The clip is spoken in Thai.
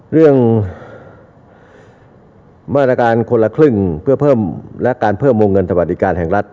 เรื่องมาตรการคนละครึ่งเพื่อเพิ่มและการเพิ่มวงเงินสวัสดิการแห่งรัฐ